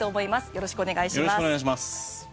よろしくお願いします。